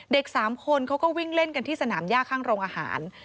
๓คนเขาก็วิ่งเล่นกันที่สนามย่าข้างโรงอาหาร